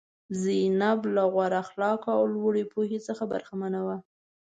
زینب له غوره اخلاقو او لوړې پوهې څخه برخمنه وه.